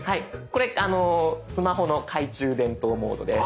これスマホの懐中電灯モードです。